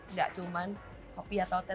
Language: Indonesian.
nggak cuman kopi atau teh